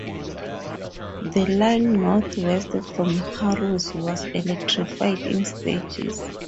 The line north west from Harrow was electrified in stages.